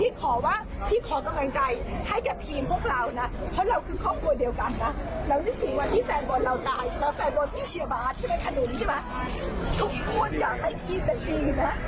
ทุกคนอยากให้ชีดของดังหนึ่งนะ